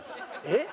えっ？